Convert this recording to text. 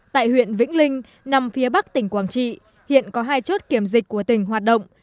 tại huyện vĩnh linh nằm phía bắc tỉnh quảng trị hiện có hai chốt kiểm dịch của tỉnh hoạt động